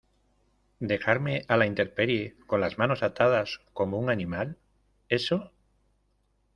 ¿ dejarme a la intemperie con las manos atadas como un animal, eso?